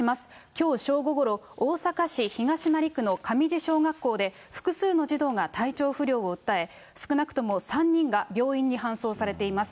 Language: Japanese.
きょう正午ごろ、大阪市東成区のかみじ小学校で、複数の児童が体調不良を訴え、少なくとも３人が病院に搬送されています。